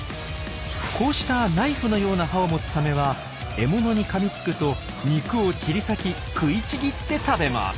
こうしたナイフのような歯を持つサメは獲物にかみつくと肉を切り裂き食いちぎって食べます。